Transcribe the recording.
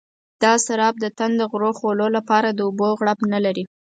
دا سراب د تنده غرو خولو لپاره د اوبو غړپ نه لري.